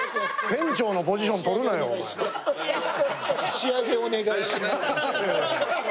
仕上げお願いします。